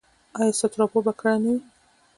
ایا ستاسو راپور به کره نه وي؟